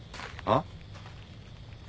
あっ？